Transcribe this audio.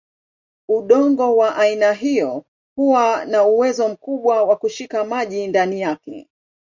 Udongo wa aina hiyo huwa na uwezo mkubwa wa kushika maji ndani yake.